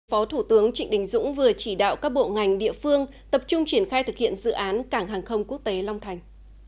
phó thủ tướng trịnh đình dũng vừa chỉ đạo các bộ ngành địa phương tập trung triển khai thực hiện dự án cảng hàng không quốc tế long thành